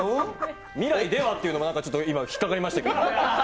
未来ではっていうのもちょっとひっかかりましたけど。